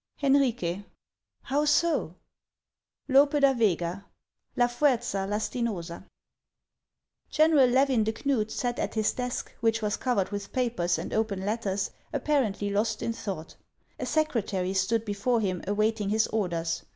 Hciirique, How so ? LUPE DA VEGA : La Fuerza Lastinosa. LEVIX DE KNUD sat at his desk, which was covered with papers and open letters, apparently lost in thought. A secretary stood before him awaiting his orders.